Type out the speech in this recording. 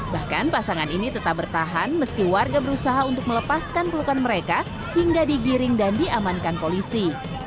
bahkan pasangan ini tetap bertahan meski warga berusaha untuk melepaskan pelukan mereka hingga digiring dan diamankan polisi